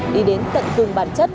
đi đến tận từng bản chất